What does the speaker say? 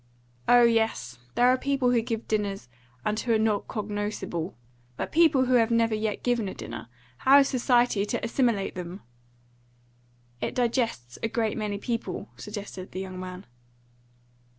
"Oh yes. There are people who give dinners, and who are not cognoscible. But people who have never yet given a dinner, how is society to assimilate them?" "It digests a great many people," suggested the young man.